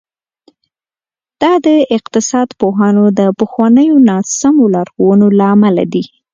دا د اقتصاد پوهانو د پخوانیو ناسمو لارښوونو له امله دي.